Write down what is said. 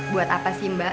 buat apa sih mbak